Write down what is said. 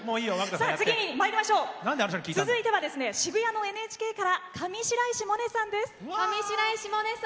さあ続いては渋谷のＮＨＫから上白石萌音さんです。